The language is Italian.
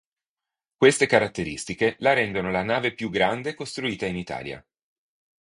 Queste caratteristiche la rendono la nave più grande costruita in Italia.